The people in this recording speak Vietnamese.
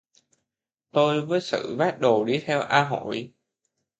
Tôi với Sự vác đồ đi theo A Hội